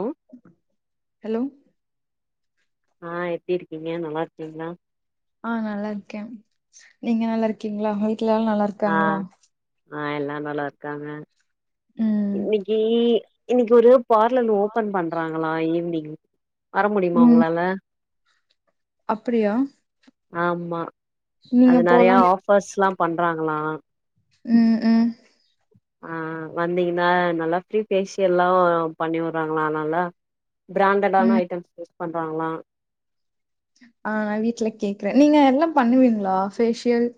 Hello hello ஆ எப்டி இருக்கீங்க நல்லா இருக்கீங்ளா ஆ நல்லாருக்கே நீங்க நல்லாருக்கீங்ளா உங்க வீட்ல எல்லா நல்லா ஆ இருக்காங்களா ஆ எல்லா நல்லா இருக்காங்க ம் இன்னிக்கி இன்னைக்கி ஒரு பார்லர் ஓபன் பண்றாங்களா ஈவினிங் வர முடியுமா ம் உங்களால அப்டியா ஆமா நீங்க அது நறையா போலான்னு ஆஃப் ஃபர்ஸ்லா பண்றாங்களா ம் ம் ஆ வந்தீங்கன்னா நல்லா ஃப்ரீ ஃபேஷியல்லா பண்ணிவுறாங்களா நல்லா பிராண்டடான ம் ஐட்டம்ஸ் யூஸ் பண்றாங்ளா ஆ வீட்ல கேக்கற நீங்க எல்லா பண்ணுவீங்களா ஃபேஷியல்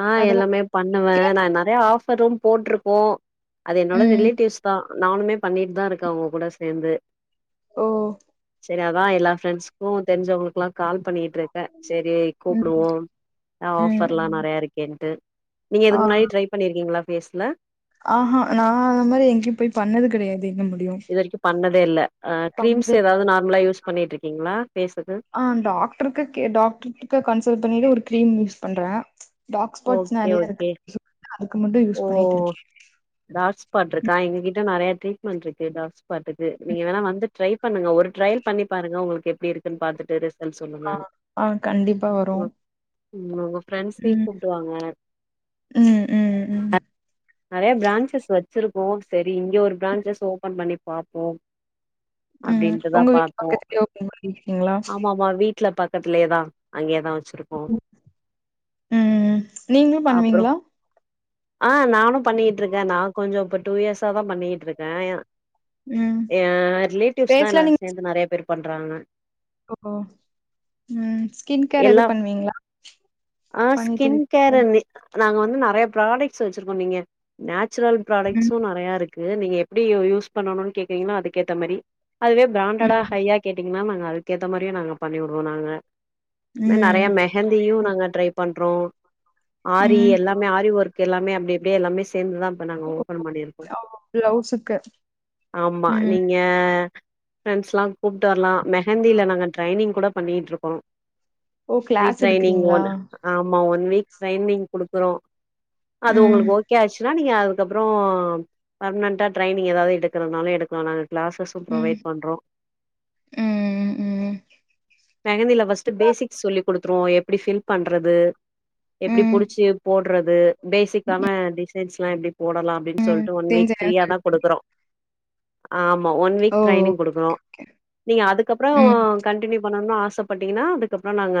ஆ அதெல்லா எல்லாமே பண்ணுவ நா நறைய ஆஃபரும் போட்ருக்கோ அது என்னோட ம் ரிலேட்டிவ்ஸ் தா நானுமே பண்ணிட்டு தா இருக்க அவுங்க கூட சேந்து ஓ சேரி அதா எல்லா ஃப்ரெண்ட்ஸ்க்கு தெரிஞ்சவுங்ளுக்குல்லா கால் பண்ணிட்ருக்க சேரி ம் கூப்புடுவோ ம் ஆஃபர்ல்லா ந ம் றையா இருக்கேன்ட்டு நீங்க ஆ இதுக்கு முன்னாடி ட்ரை பண்ணிருக்கீங்ளா ஃபேஸ்ல ஆஹா நா அந்த மாரி எங்கேயு போய் பண்ணது கெடையாது எங்க மும் இது வரைக்கும் பண்ணதே இல்ல அ கிரீம்ஸ்ஸு ஏதாவது கெடையாது. நார்மலா யூஸ் பண்ணிட்ருக்கீங்ளா ஃபேஸுக்கு ஆ டாக்டருக்கு கே டாக்டருக்கிட்ட கன்சல்ட் பண்ணிட்டு ஒரு கிரீம் யூஸ் பண்ற டாக் ஸ்பாட்ஸ் ஓகே நறைய ஓகே இருக்கு அதுக்கு மட்டு யூஸ் பண்ணிட்டு இருக்கே டாக் ஸ்பாட் இருக்கா எங்க கிட்ட நிறைய ட்ரீட்மெண்ட் இருக்கு டாக் ஸ்பாட்டுக்கு நீங்க வேணா வந்து ட்ரை பண்ணுங்க ஒரு ட்ரயல் பண்ணி பாருங்க உங்களுக்கு எப்டி இருக்குன்னு பாத்துட்டு ரெஸ் ஆ ஆ கண்டிப்பா வரோ உ உங்க பிரெண்ட்ஸயு கூட்டுவாங்க ம் ம் ம் நறைய பிரான்சஸ் வச்சிருக்கோ சரி இங்க ஒரு பிரான்சஸ் ஓபன் பண்ணி பாப்போ ம் அப்டின்ட்டுதா உங்க வீட்டு பாத்தோ பக்கத்துலயே ஓப்பன் பண்ணிருக்கீங்களா ஆமாமா வீட் வீட்ல பக்கத்துலயேதா அங்கேயேதா வச்சிருக்கோ ம் நீங்களு அப்றோ பண்ணுவீங்ளா ஆ நானு பண்ணிட்டு இருக்கே நா கொஞ்சோ இப்ப டூ இயர்ஸா தா பண்ணிட்டு இருக்கே ம் ஏ ரிலேட்டிவ்ஸ்லா ஃபேஸ்லா எல்லாரு நீங்க சேந்து நிறைய பேர் பண்றாங்க ஓ ம் ஸ்கின் கேர் எது எல்லா பண்விங்ளா ஆ பண் ஸ்கின் கேர் நாங்க வந்து நறைய ப்ராடக்ட்ஸ் வச்சிருக்கோ நீங்க நேச்சுரல் ம் ப்ராடக்ட்ஸு நறைய இருக் நீங்க எப்டி யூஸ் பண்ணுனு கேட்டீங்னா அதுக்கேத்த மாரி அதுவே பிராண்டடா ம் ஹையா கேட்டீங்கன்னா நாங்க அதுக்கேத்த மாரியு நாங்க பண்ணி விடுவோ நாங்க நறைய ம் மெ ஹந்தியு நாங்க ட்ரை பண்றோ ஆரி ம் எல்லாமே ஆரி ஒர்க் எல்லாமே அப்டிப்படியே எல்லாமே சேந்துதா இப்ப நாங்க ஓ ஓ! ஓபன் பண்ணிருக்கோ பிளவுஸுக்கு ஆமா ம் நீங் க பிரண்ஸ்ல்லா கூப்ட்டு வரலா மெஹந்தில நாங்க ட்ரைனிங் கூட பண்ணிட்டுருக்கோ ஓ ஃபிரீ கிளாஸ் ட்ரைனிங் எடுக்குறீங்களா ஓன் ஆமா ஒன் வீக் ட்ரைனிங் குடுக்குறோ அது ம் உங்களுக்கு ஓகே ஆச்சுன்னா நீங்க அது அதுக்கப்புறோ பர்மனண்டா ட்ரைனிங் எதாவ்து எடுக்கிறதுனாலு எடுக்கலா நானு கிளாஸஸு ம் ப்ரொவைட் பண்றோ ம் ம் ம் மெஹந்தில பஸ்ட் பேசிக்ஸ் சொல்லி கொடுத்துருவோ எப்டி ஃபில் பண்றது எப்புடி ம். புடிச்சி போடுறது பேசிக்கான டிசைன்ஸ்ல்லா எப்டி போடலா அப்டின்னு சொல்ட்டு ஒன் வீக் ஃப்ரீயா தா கொடுக்குறோ ஆமா ஒன் வீக் ஓ ட்ரைனிங் ஓகே குடுக்கறோ ஓகே ஓகே நீங்க அதுக்கப்புறோ ம் கண்டினியூ பண்ணும்னு ஆசப்பட்டீங்கன்னா அதுக்கப்புறோ நாங்க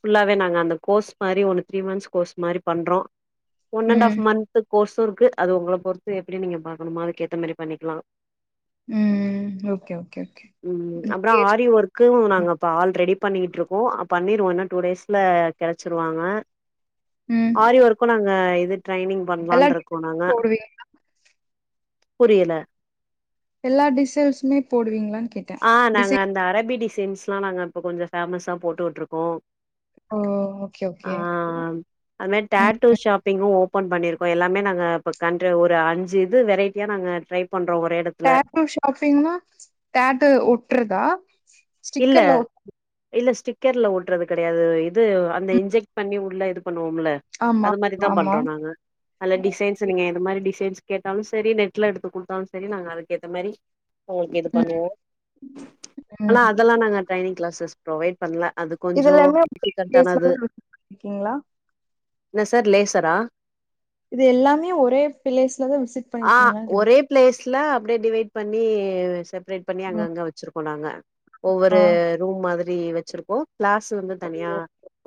ஃபுல்லாவே நாங்க அந்த கோர்ஸ் மாரி ஒன்னு திரீ மந்த்ஸ் கோர்ஸ் மாரி பண்றோ ஒன் அண்ட் ம் ஆஃப் மந்த்து கோர்ஸு இருக்கு அது உங்கள பொறுத்து எப்டி நீங்க பாக்கணுமோ அதுக்கேத்த மாரி பண்ணிக்கலா ம். Okay, okay, okay. உம் ம் அப்புறோ ஆரி கேட்டுட்டு ஒர்க்கு கு நாங்க இப்ப ஆல் ரெடி பண்ணிட்டு இருக்கோ பண்ணிருவோ இன்னு டூ டேஸ்ல கிடச் ச்சிருவாங்க உம் ஆரி ஒர்க்கு நாங்க இது ட்ரைனிங் பண்ணலான்னு இருக்கோ நாங்க டிசைன்ஸ் போடுவீங்களா? புரியல எல்லா டிசைன்ஸுமே போடுவீங்களான்னு கேட்டேன். ஆஹ் நாங்க டிசைன் அந்த அரபி டிசைன்ஸ் லா நாங்க இப்ப கொஞ்சோ ஃபேமஸா போட்டுட்டுருக்கோ ஓஹ் ஓகே ஓகே அது மாரி ம். டேட்டூ ஷாப்பிங்கு ஓப்பன் பண்ணிருக்கோ எல்லாமே நாங்க இப்போ கண்ட ஒரு அஞ்சு இது வெரைட்டியா நாங்க ட்ரை பண்றோ ஒரே இடத் டேட்டு ஷாப்பிங்னா டேட்டு ஒட்றதா இல்ல ஸ்டிக்கர்ல ஒட் இல்ல ஸ்டிக்கர்ல ஒட்டுறது கிடையாது இது அந்த ம். இன்ஜெக்ட் பண்ணி உள்ள இது பண்ணுவோம்ல ஆமா, அது மாரிதா ஆமா. பண்றோ நாங்க நல்ல டிசைன்ஸ் [unintelligible] நீங்க எது மாரி டிசைன்ஸ் கேட்டாலு சரி நெட்லா எடுத்து குடுத்தாலு சரி நாங்க அதுக்கேத்த மாரி உங்களுக் இது ம். பண்ணுவோ ஆனா ம். அதெல்லா நாங்க ட்ரைனிங் க்ளாஸஸ் ப்ரொவைட் பண்லா அது இது கொஞ்சோ எல்லாமே ஒரே பிளேஸ்ல டிஃபிகல்ட்டானது தான் விசிட் பண்ணிருக்கீங்களா? என்ன சார் லேசரா இது எல்லாமே ஒரே பிளேஸ்லதா விசிட் பண்ணிருக்கீங்களான் [inaudible] ப்ளேஸ்ல அப்டே டிவைட் பண்ணி செப்ரேட் பண்ணி ம். அங்கங்க வெச்சிருக்கோ நாங்க ஒவ்வொரு ஆ. ரூம் மாதிரி வெச்சிருக்கோ க்ளாஸ் வந்து ஓ! தனியா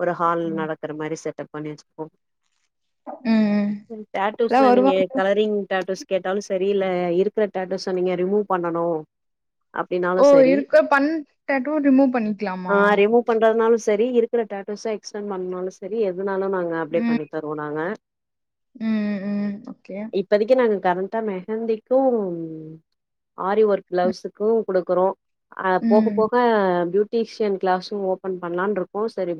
ஒரு ஓகே. ஹால் ம். நடக்கிற மாரி செட்டப் பண்ணி வெச்சிர்க்கோ [inaudible] ம், ம். எல்லாம் டேட்டூஸ்லா நீங்க வருவாங்க கலரிங் டேட்டூஸ் கேட்டாலு சரி இல்ல இருக்கற டேட்டூஸ நீங்க ரிமூவ் பண்ணனு அப்டின்னாலு ஓ சரி இருக்க பண் டேட்டூ ரிமூவ் ஆ பண்ணிக்கலாமா ரிமூவ் பண்றதுனாலு செரி இருக்கற டேட்டூஸ எக்ஸ்டண்ட் பண்ணாலு செரி எதுனாலு நாங்க அப்டே ம், பண்ணி தருவோ நாங்க ம் ம் ஓகே இப்பதிக்கு நாங்க கரண்ட்டா மெஹந்திக்கு ஆரி ஒர்க் ப்ளவுஸுக்கு குடுக்கறோ அ போக ம், போக ப்யூட்டீஷியன் க்ளாஸு ஓப்பன் பண்லான்ருக்கோ செரி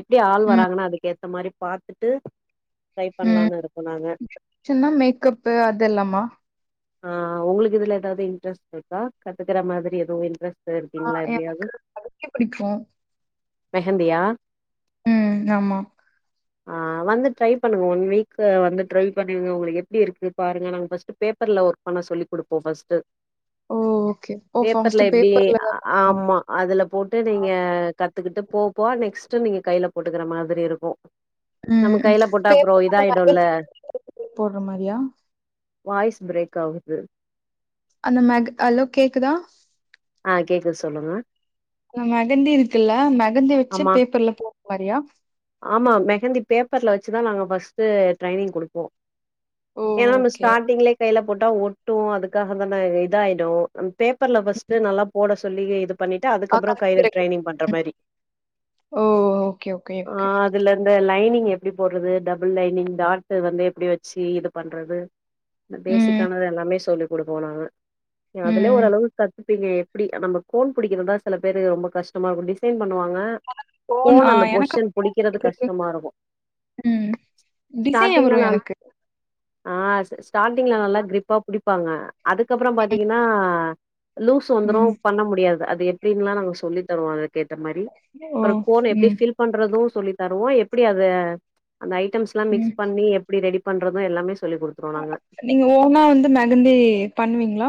எப்டி ஆள் ம், வராங்கன்னா அதுக்கேத்த மாரி பாத்துட்டு ட்ரை பண்லானுருக்கோ நாங்க சின்னா மேக்கப்பு அதெல்லாமா ஆ உங்ளுக்கு இதுல எதாவ்து இன்ட்ரெஸ்ட்ருக்கா கத்துக்கற மாதிரி எதுவு இன்ட்ரெஸ்ட் டா ஆ இருக்கீங்ளா எதுலயாவ்து எனக்கு அதுக்கே பிடிக்கும். மெஹந்தியா ம் ஆமா ஆ வந்து ட்ரை பண்ணுங்க ஒன் வீக்கு வந்து ட்ரை பண்ணுங்க உங்களுக் எப்டி இருக்கு பாருங்க நாங்க ஃபஸ்ட்டு பே ப்பர்ல ஒர்க் பண்ண சொல்லி குடுப்போ ஃபஸ்ட்டு ஓ ஓகே. ஓ பேப்பர்ல ஃபர்ஸ்ட்டு எப்டி பேப்பர்ல அ தான் அ பண்ணுவா. ஆமா அதுல போட்டு நீங்க கத்துக்கிட்டு போ போ நெக்ஸ்ட்டு நீங்க கைல போட்டுக்கிற மாதிரி இருக்கு ம், நம்ம ம். கைல போட்டா அப்றோ பேப்பர் அந்த இதாய்டுல்ல மெஹந்தி போடுற மாரியா? வாய்ஸ் ப்ரேக் ஆகுது அந்த மெக் அலோ கேக்குதா ஆ கேக்குது சொல்லுங்க ம் மெகந்தி இருக்குல்ல மெகந்தி வெச்சு ஆமா பேப்பர்ல போட்ற மாரியா ஆமா மெஹந்தி பேப்பர்ல வச்சுதா நாங்க ஃபஸ்ட்டு ட்ரைனிங் குடுப்போ ஓ ஏனா நம்ம ஓகே. ஸ்டாட்டிங்லே கைல போட்டா ஒட்டு அதுக்காக தான இ இதாய்டு ம் பேப்பர்ல ஃபஸ்ட்டு நல்லா போட சொல்லி இது பண்ணிட்டு ஆ அதுக்கப்றோ கலர் கைல இருக்கு. ட்ரைனிங் பண்ற ம். மாரி ஓ ஓகே, ஓகே, ஆ ஓகே. இதுலர்ந்து லைனிங் எப்டி போட்றது டபுள் லைனிங் டாட்டு வந்து எப்டி வெச்சி இது பண்றது அ ம், பேசிக்கானது எல்லாமே சொல்லி குடுப்போ நாங்க நீங் அதுலே ம். ஓரளவுக் கத் துப்பீங்க எப்டி நம்ப கோன் பிடிக்கறத் தா சில பேரு ரொம்ப கஷ்டமா இருக்கு டிசைன் பண்ணுவாங்க ஆ கோன் அந்த எனக்கு பொஷ்ஷன் புடிக்கறது பிடிக்கிறது கஷ்டமா இருக்கு ம் டிசைனே ஸ்டார்டிங்ல வரு நா எனக்கு ஆ ஸ் ஸ்டாட்டிங்ல நல்லா க்ரிப்பா புடிப்பாங்க அதுக்கப்பறோ ம் பாத்தீங்கன்னா லூஸ் வந்துரு ம் பண்ண முடியாது அது எப்டின்லா நாங்க சொல்லி தருவோ அது க்கேத்த மாரி ஓ அப்றோ கோன் எப்டி ம் ஃபில் பண்றது சொல்லி தருவோ எப்டி அத அந்த ஐட்டம்ஸ்லா ம் மிக்ஸ் பண்ணி எப்டி ரெடி பண்றது எல்லாமே சொல்லி குடுத் நீங்க ஓனா வந்து மெஹந்தி பண்ணுவீங்ளா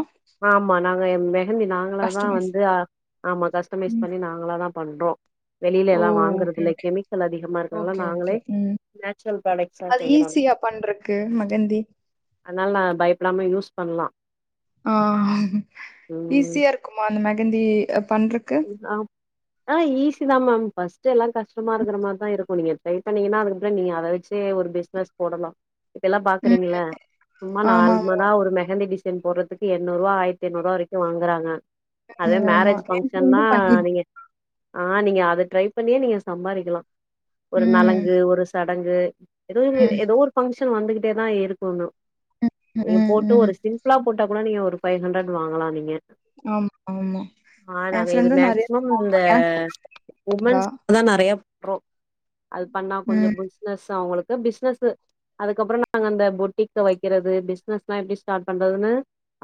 ஆமா நாங்க மெஹந்தி நாங்களாதா கஸ்டமைஸ் வந்து ஆமா கஸ்டமைஸ் ம் பண்ணி நா ங்களாதா பண்றோ ஓ வெளிலலா ஓகே வாங்குறதுல்ல ஓகே கெமிக்கல் அதிகமா இருக்றனால ஓகே நாங்களே ஓகே ம் நேச்சுரல் பிராடெக்ஸா அது செய்யுறோ ஈஸியா பண்றக்கு மெகந்தி அதுனால் நா பயப்டாம யூஸ் பண்லா ஆ ம் ஈஸியா இருக்குமா அந்த மெஹந்தி அ பண்றக்கு நா ஆ ஈஸிதா மேம் ஃபஸ்ட்டெல்லா கஷ்டமா இருக்குற மார்தா இருக்கு நீங்க ட்ரை பண்ணீங்கனா அதுக்கப்றோ நீங்க அத வச்சே ஒரு பெஸ் பெஸ் போடலா இப்பெல்லா ம் பாக்குறீங்குள சும்மா ஆமா ஆமா நார்மலா ஒரு மெஹந்தி டிஸ் சைன் போறதுக்கு எண்ணூரூவா ஆய்ர்த்தென்னூரூவா வரைக்கு வாங்குறாங்க அதே ம் ஆமா மேரேஜ் பங் என் ஃப்ரெண்டு பண்ணிட் க்ஷன்யே ஆ நீங்க அத ட்ரை பண்ணியே சம்பாரிக்கலா ஒரு ம் நளங்கு ஒரு ச டங்கு எதேவு ம் எதோ ஒரு பங்க்ஷன் வந்துகிட்டேதா இருக்கு இன்னு நீங்க ம் போட்டு ஒரு ம் சிம்பிளா போட்டா கூட நீங்க ஒரு ஃபை ஹண்ட்ரட் வாங்கலா நீங்க ஆமா ஆமா ஆ என் நாங்க இது ஃப்ரெண்டும் நெறைய மேக்சிமம் பண்ணுவா. இந்த எனக்கு உமன்ஸ் தா நெறைய பண்றோ அது பண்ணா கொஞ்சோ ம் பிஸ்னஸ் அவுங்குளுக்கு பிசினஸ்ஸு அதுக்கப்புறோ நாங்க அந்த பொட்டிக்க வைக்கிறது பிஸ்னஸ்லா எப்டி ஸ்டாட் பண்றதுன்னு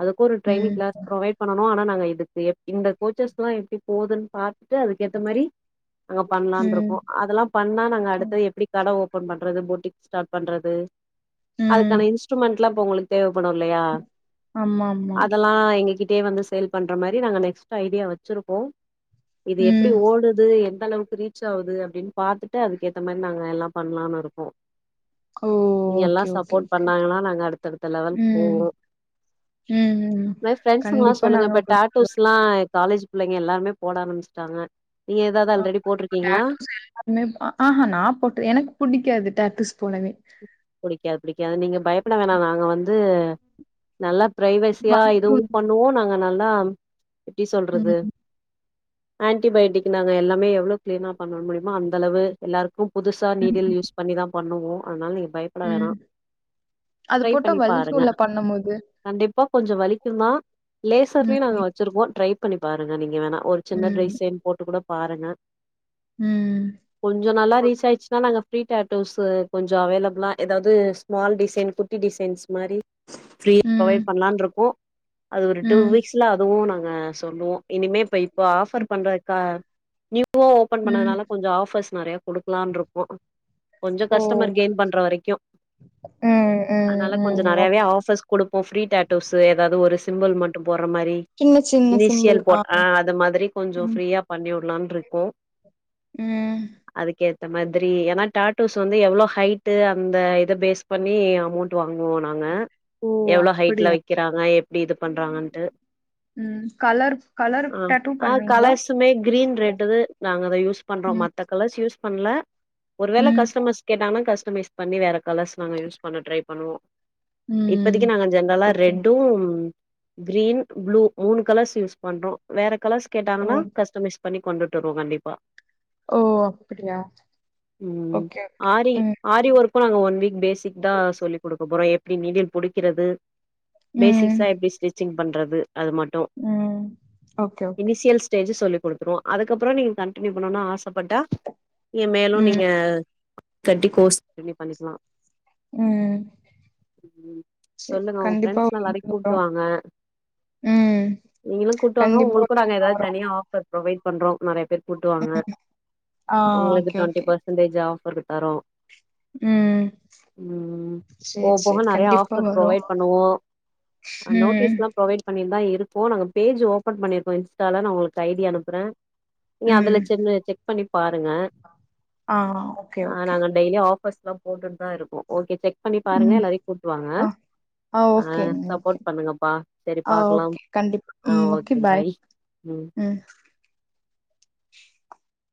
அதுக்கு ஒரு ம் ட்ரைனிங் கிளாஸ் ப்ரொவைட் பண்ணனு ஆனா நாங்க இதுக்கு எப் இந்த கோச்சஸ்லா எப்டி போதுன் பாத்துட்டு அதுக்கேத்த மாரிங்க அங்க ம் பண்லாட்ருக்கோ அதெல்லாம் பண்ணா நாங்க அடுத்தது எப்டி கட ஓபன் பண்றது பொட்டிக் ஸ்டாட் பண்றது ம் அதுக்கான இன்ஸ்ட்ருமெண்ட்லா இப்போ உங்களுக் தேவப்படு இல்லையா ஆமா ஆமா அதெல்லா எங்ககிட் டே வந்து சேல் பண்ற மாரி நாங்க நெக்ஸ்ட் ஐடியா வச்சிருக்கோ இது எப்டி ம் ஓடுது எந்த அளவுக்கு ரீ ச்சாவுது அப்டின் பாத்துட்டு அதுக்கேத்தமாரி நாங்க எல்லா பண்லான் இருக்கோ ஓ இங்க எல்லா ஓகே ஓகே சப்போட் ஓகே பண்ணாங்கனா நாங்க அடுத்தடுத்த லெவல் ம் போவோ ம் ம் இந்த ஃபிரண்ஸ்க்குலா கண்டிப்பா சொல்லுங்க நாங்க இப்ப ஒரு டேட்டூஸ்லா காலேஜ் பிள்ளைங்க எல்லாருமே போட ஆரமிஸ்ட்டாங்க நீங்க எதாது அல்ரெடி போட்ரு டேட்டஸ் எல்லாருமேப் அ ஆஹா நாப் போட்டு எனக் புடிக்காது டேட்டஸ் போடவே புடிக்காது பிடிக்காது நீங்க பயப்பட வேணா நாங்க வந்து நல்லாப் பிரைவெசியா வலிக்கும் எதுவும் பண்ணுவோ நாங்க நல்லாம் எப்டி சொல்றது ம் ஆன்டிபயேட்டிக் நாங்க எல்லாமே எவ்ளோ கிளீனா பண்ண முடியுமா அந்த அளவு எல்லாருக்கும் புதுசா நீடில் ம் யூஸ் பண்ணிதாம் பண்ணுவோ அதனால் நீங்க பயப்பட வேணா ம் அது ட்ரை போட்டா பண்ணி பாருங்க வலிக்கும்ல பண்ணும்போது கண்டிப்பா கொஞ்சோ வலிக்குந்தா லேசர்லையு ம் நாங்க ச்சுருக்கோ ட்ரை பண்ணி பாருங்க நீங்க வேணா ஒரு சின்ன ம் டிரைசென் போட்டு கூட பாருங்க ம் கொஞ்சோ நல்லா ரீச் ஆயிடுச்சுன்னா நாங்க ஃப்ரீ டேட்டோஸ்சு கொஞ்சோ அவைலபிளா எதாவுது ஸ்மால் டிசைன் குட்டி டிசைன்ஸ் மாரி ஃப்ரீயா ம் ப்ரொவைட் பண்லான்ருக்கோ அது ஒரு டூ ம் வீக்ஸ்ல அதுவு நாங்க சொல்லுவோ இனிமே இப்ப இப்ப ஆஃபர் பண்றதுக்கா நியூவா ஓப்பன் ம் பண்ணதுனால கொஞ்சோ ஆஃபர்ஸ் நறைய குடுக்கலான் இருப்போ கொஞ்ச ஓ கஷ் கஷ்டமர் கெய்ன் பண்ற வரைக்கு ம் ம் அதனால கொஞ்சோ ம் நறையவே ஓகே ஆஃபர்ஸ் குடுப்போ ஃப்ரீ டாட்டூஸ்சு எதாது ஒரு சிம்பிள் மட்டு போர்ற மாரி சின்ன சின்ன சிம்பிள் இனிஷியல் ஆ போர் அ அது மாரி கொஞ்சோ ம் ஃப்ரீயா பண்ணி உட்லான்ருக்கோ ம் அதுக்கேத்த மாதிரி ஏனா டாட்டூஸ் வந்து எவ்ளோ ஹைட்டு அந்த இத பேஸ் பண்ணி அமௌண்ட் வாங்குவோ நாங்க ஓ எவ்ளோ ஹைட்ல அப்படியா வைக்கிறாங்க எப்டி இது பண்றாங்கண்ட்டு ம் கலர் கலரு டட்டூ பண்ணுவீங்களா ட்டுமே கிரீன் ரெட் நாங்க அத யூஸ் பண்றோ ம் மத்த கலர்ஸ் யூஸ் பண்ணல ஒரு வேள ம் கஸ்டமர்ஸ் கேட்டாங்னா கஸ்டமைஸ் பண்ணி வேற கலர்ஸ் நாங்க யூஸ் பண்ண ட்ரை பண்ணுவோ ம் இப்பதைக்கி நாங்க ஜென்ரலா ஓகே ரெட்டு கிரீன் ப்ளூ மூணு கலர்ஸ் யூஸ் பண்றோ வேற கலர்ஸ் ஓ கேட்டாங்கன்னா கஷ்டமை பண்ணி கொண்டுட்ருக்கோ கண்டிப்பா ஓ அப்டியா ம் ஓகே ஓகே ஆரி ம் ஆரி ஒர்க்கு நாங்க ஒன் வீக் பேசிக் தா சொல்லி குடுக்க போறோ எப்டி நீடில் புடிக்கறது ம் பேசிஸ்ஸா எப்டி ஸ்டிச்சிங் பண்றது அது மட் டோ ம் ஓகே ஓகே இனிஷியல் ஸ் ஸ்டேஜி சொல்லி குடுத்துருவோ அதுக்கப்றோ நீங்க கண்டினியூ பண்ணனுன் ஆசப்பட்டா நீங்க மேலு ம் நீங்க கட்டி கோர்ஸ் [inaudible] பண்ணிக்கலா ம் சரி சொல்லுங்க உங்க கண்டிப்பா ஃப்ரெண்ட்ஸ் ஒரு எல்லாரையு நாள் வரும் கூப்பிட்டுவாங்க ம் நீங்களு கூட்டுவாங்க கண்டிப்பா உங்குளுக்கு ஒரு நாங்க நாள் எதாது வரும் தனியா ஆஃபர் ஃபர் ப்ரொவைட் பண்றோ நறைய பேர் கூட்டுவாங்க ஆ உங்களுக்கு okay twenty okay percentage of [unintelligible] தரோ ம் ம் சரி போக போக சரி நறைய கண்டிப்பா ஆஃபர் வரும் ப்ரொவைட் பண்ணுவோ அ ம் நோட்டீஸ்லா ப்ரொவைட் பண்ணிட்தா இருப்போ நாங்கா பேஜ் ஓப்பன் பண்ணிருக்கோ இன்ஸ்டால நா உங்குளுக்கு ஐடி அனுப்புறே நீ அதுல ம் சின்ன செக் பண்ணி பாருங்க ஆ ஓகே ஆ ஓகே நாங்க டெய்லி ஆபஃர்ஸ்லா போட்டு தா இருக்கோ ஓகே செக் பண்ணி பாருங்க ம் எல்லாரையு கூட்டுவாங்க ஆ ஆ ஓகேங்க ஓகேங் சரி ஆ பாக்கலாம் ஓகே கண்டிப்பா ம் ஓகே பாய் ம்